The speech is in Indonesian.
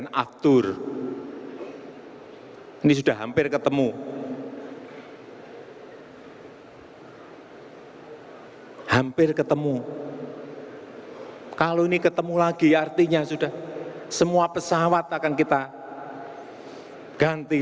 wassalamu'alaikum warahmatullahi wabarakatuh